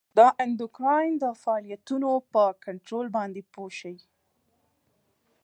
د اندوکراین د فعالیتونو په کنترول باندې پوه شئ.